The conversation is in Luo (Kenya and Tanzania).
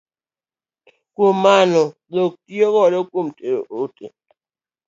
Kuom mano dhok itiyo godo kuom tero ote.